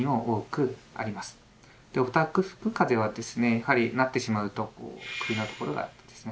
やはりなってしまうと首のところがですね